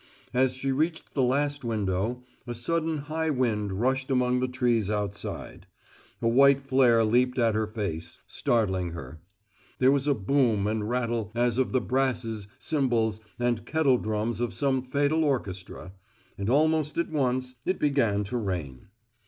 As she reached the last window, a sudden high wind rushed among the trees outside; a white flare leaped at her face, startling her; there was a boom and rattle as of the brasses, cymbals, and kettle drums of some fatal orchestra; and almost at once it began to rain.